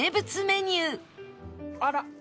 あら！